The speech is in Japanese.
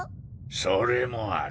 それもある。